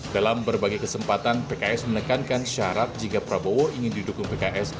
dalam berbagai kesempatan pks menekankan syarat jika prabowo ingin didukung pks